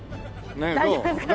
大丈夫ですかね。